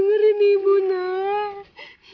bagus dengerin ibu nak